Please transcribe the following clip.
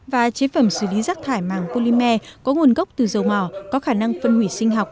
và chế phẩm xử lý rác thải màng polymer có nguồn gốc từ dầu mỏ có khả năng phân hủy sinh học